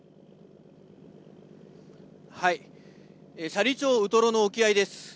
斜里町ウトロの沖合です。